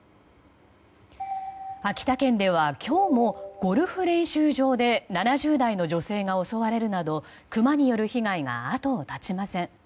秋田県では今日もゴルフ練習場で７０代の女性が襲われるなどクマによる被害が後を絶ちません。